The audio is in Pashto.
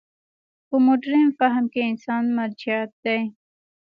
په مډرن فهم کې انسان مرجعیت دی.